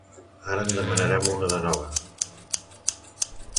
Ara en demanarem una de nova.